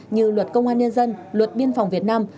như luật công an nhân dân luật biên phòng việt nam